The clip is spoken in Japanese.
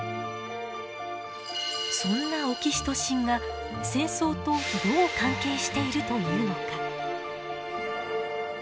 そんなオキシトシンが戦争とどう関係しているというのか。